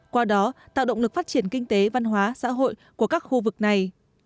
qua đó tạo động lực phát triển kinh tế văn hóa xã hội của các khu vực này